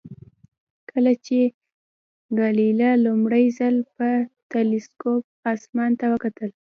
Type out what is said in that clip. کله چې ګالیله لومړی ځل په تلسکوپ اسمان ته وکتل.